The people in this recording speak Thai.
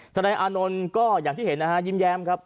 รันย์อานนนก็อย่างที่เห็นนะคะยิ้มแยมครับ